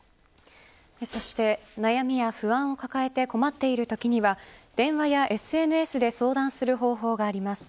そして、悩みや不安を抱えて困っているときには電話やＳＮＳで相談する方法があります。